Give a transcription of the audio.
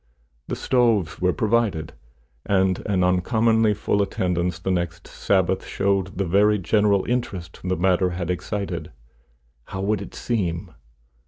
The stoves were provided, and an uncommonly full attendance the next Sabbath showed the very general interest the matter had excited. How would it seem?